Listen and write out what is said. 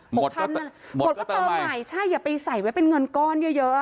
หมดก็เติมใหม่ใช่อย่าไปใส่ไว้เป็นเงินก้อนเยอะเยอะ